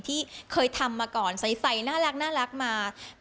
ที่เคยทำมาก่อนใสน่ารักมา